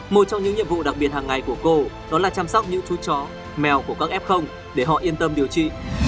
một trong những nhiệm vụ đặc biệt hàng ngày của cô đó là chăm sóc những chú chó mèo của các f để họ yên tâm điều trị